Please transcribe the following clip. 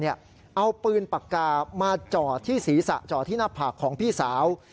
เอาปืนปากกามาจ่อที่ศีรษะจ่อที่หน้าผากของพี่สาว